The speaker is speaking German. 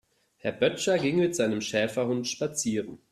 Herr Böttcher ging mit seinem Schäferhund spazieren.